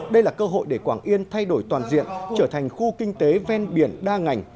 đây là cơ hội để quảng yên thay đổi toàn diện trở thành khu kinh tế ven biển đa ngành